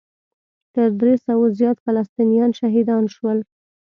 تر درې سوو زیات فلسطینیان شهیدان شول.